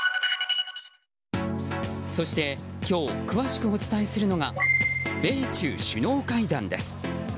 そして、今日詳しくお伝えするのが米中首脳会談です。